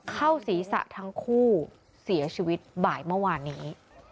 เข้าศีรษะทั้งคู่เสียชีวิตบ่ายเมื่อวานนี้